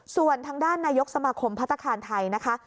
ส่วนทางด้านนายกสมาคมพัฒนาคารไทยนะคะ